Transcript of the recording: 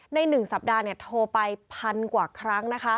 ใน๑สัปดาห์โทรไปพันกว่าครั้ง